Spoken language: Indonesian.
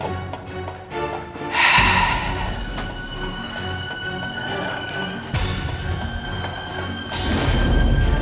kamu sudah siap rupanya